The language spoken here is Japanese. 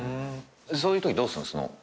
そういうときどうするの？